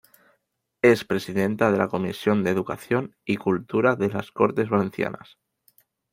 Es presidenta de la Comisión de Educación y Cultura de las Cortes Valencianas.